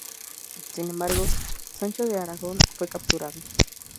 Sin embargo, Sancho de Aragón fue capturado.